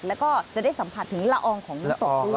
แล้วก็จะได้สัมผัสถึงละอองของน้ำตกด้วย